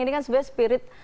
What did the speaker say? ini kan sebenarnya spirit